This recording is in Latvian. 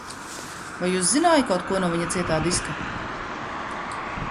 Vai uzzināji kaut ko no viņa cietā diska?